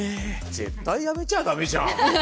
絶対辞めちゃだめじゃん。